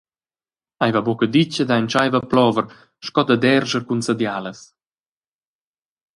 Ei va buca ditg ed ei entscheiva a plover sco da derscher cun sadialas.